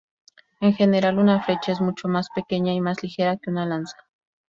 En general, una flecha es mucho más pequeña y más ligera que una lanza.